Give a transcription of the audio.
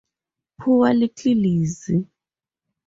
Poor little Lizzy!